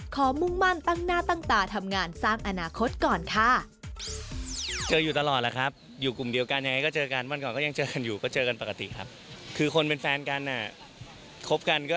มุ่งมั่นตั้งหน้าตั้งตาทำงานสร้างอนาคตก่อนค่ะ